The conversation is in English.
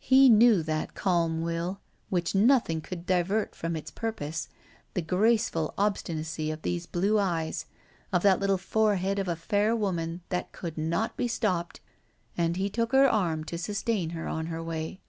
He knew that calm will which nothing could divert from its purpose, the graceful obstinacy of these blue eyes, of that little forehead of a fair woman that could not be stopped; and he took her arm to sustain her on her way.